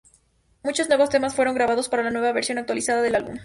Muchos nuevos temas fueron grabados para la nueva versión "actualizada" del álbum.